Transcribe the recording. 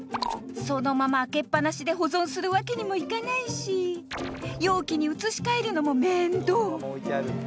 そのまま開けっぱなしで保存するわけにもいかないし容器に移し替えるのも面倒